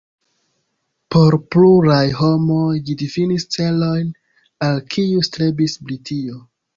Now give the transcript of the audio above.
Por pluraj homoj ĝi difinis celojn al kiuj strebis Britio.